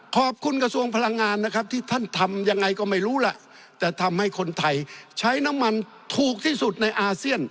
ขอบคุณกระทรวงพลังงานนะครับที่ท่านทำยังไงก็ไม่รู้ล่ะแต่ทำให้คนไทยใช้น้ำมันถูกที่สุดในอาเซียน